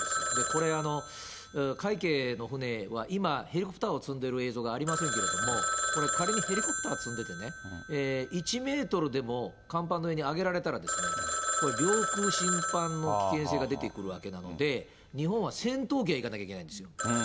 これ、海警の船は今、ヘリコプターを積んでる映像ありませんけれども、これ、仮にヘリコプター積んでてね、１メートルでも甲板の上にあげられたら、これ領空侵犯の危険性が出てくるわけなので、日本は戦闘機で行かなきゃいけないんですよ。